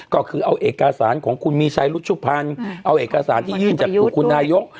ก็คือเอาเอกสารของคุณมีชัยรุชุพันธ์เอาเอกสารที่ยื่นจากคุณนายก